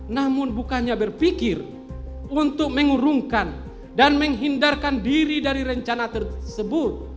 namun bukannya berpikir untuk mengurungkan dan menghindarkan diri dari rencana tersebut